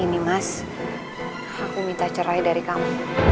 ini mas aku minta cerai dari kamu